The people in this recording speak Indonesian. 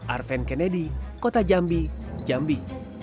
arven kennedy kota jambi jambi